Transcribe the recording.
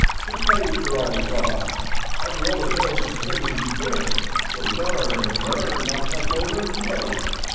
He paid fer all he got. Had a roll o' bills 's big as ye fist. Little feller he were, not much older 'n' Willie."